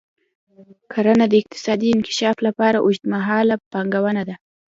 کرنه د اقتصادي انکشاف لپاره اوږدمهاله پانګونه ده.